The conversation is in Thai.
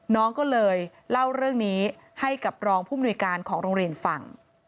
น้องก็เลยเล่าเรื่องนี้ให้กับรองผู้มนุยการของโรงเรียนฟัง